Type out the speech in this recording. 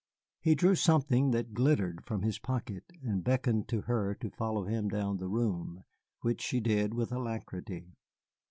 He drew something that glittered from his pocket and beckoned to her to follow him down the room, which she did with alacrity.